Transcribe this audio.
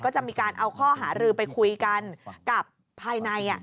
ก็จะมีการเอาข้อหารือไปคุยกันกับภายใน